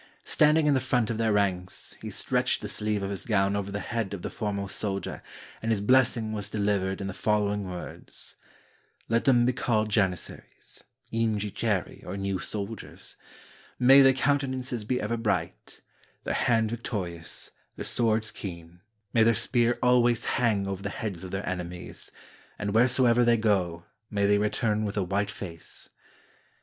Standing in the front of their ranks, he stretched the sleeve of his gown over the head of the foremost soldier, and his blessing was delivered in the following words — 'Let them be called Janizaries [yingi cheri, or new soldiers) ; may their countenances be ever bright; their hand victorious; their swords keen; may their spear always hang over the heads of their enemies; and, wheresoever they go, may they return with a white face.'